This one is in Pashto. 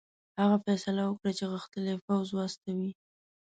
هغه فیصله وکړه چې غښتلی پوځ واستوي.